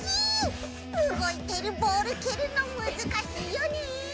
うごいてるボールけるのむずかしいよね。